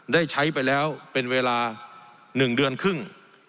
ได้ใช้ไปแล้วเป็นเวลา๑เดือนครึ่ง